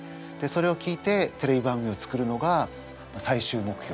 それを聞いてテレビ番組を作るのが最終目標ですね。